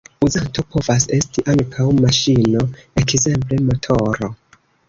Uzanto povas esti ankaŭ maŝino, ekzemple motoro.